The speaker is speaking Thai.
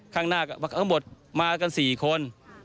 ข้างหน้ากันข้างบนมากันสี่คน